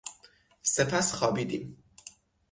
سپس خوابیدیم.